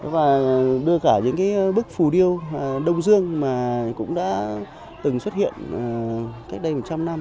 và đưa cả những bức phù điêu đông dương mà cũng đã từng xuất hiện cách đây một trăm linh năm